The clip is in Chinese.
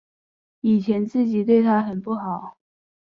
以前自己对她很不好